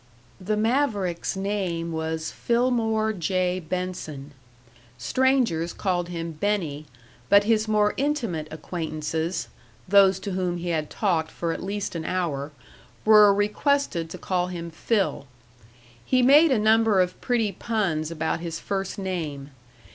The maverick's name was Fillmore J. Benson. Strangers called him Benny, but his more intimate acquaintances, those to whom he had talked for at least an hour, were requested to call him Phil. He made a number of pretty puns about his first name.